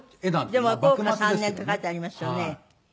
でも「弘化三年」って書いてありますよね。